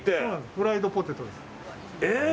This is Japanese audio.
フライドポテトです。